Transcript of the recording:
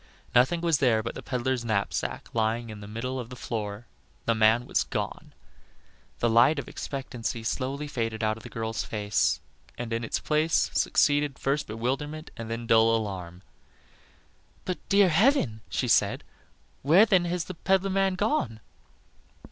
Nothing was there but the peddler's knapsack lying in the middle of the floor the man was gone. The light of expectancy slowly faded Out of the girl's face, and in its place succeeded first bewilderment and then dull alarm. "But, dear heaven," she said, "where then has the peddler man gone?"